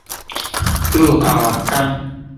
入口網站